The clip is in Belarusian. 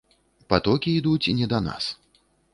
Патокі ідуць не да нас.